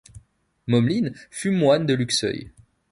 Mommelin fut moine de Luxeuil.